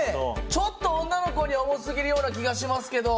ちょっと女の子には重すぎるような気がしますけど。